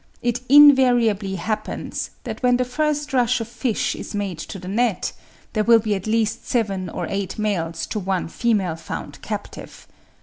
It INVARIABLY happens that when the first rush of fish is made to the net, there will be at least seven or eight males to one female found captive.